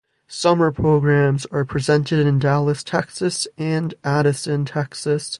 Summer programs are presented in Dallas, Texas, and Addison, Texas.